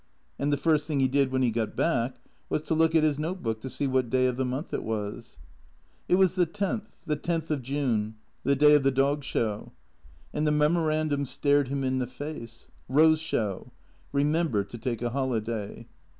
And the first thing he did when he got back was to look at his note book to see what day of the month it was. It was the tenth, the tenth of June, the day of the Dog Show. And the memorandum stared him in the face :" Eose Show. Eemember to take a holiday."